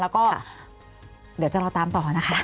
แล้วก็เดี๋ยวจะรอตามต่อนะคะ